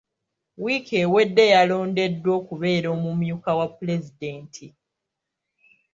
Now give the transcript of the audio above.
Wiiki ewedde yalondeddwa okubeera omumyuka wa Pulezidenti.